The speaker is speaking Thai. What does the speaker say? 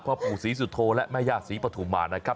พ่อปู่ศรีสุโธและแม่ย่าศรีปฐุมานะครับ